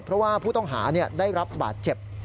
เพราะว่าผู้ต้องหาได้รับบาดเจ็บ